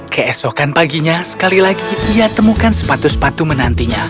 keesokan paginya sekali lagi ia temukan sepatu sepatu menantinya